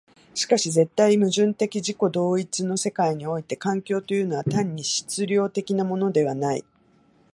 しかし絶対矛盾的自己同一の世界において環境というのは単に質料的なものではない。